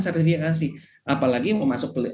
sertifikasi apalagi mau masuk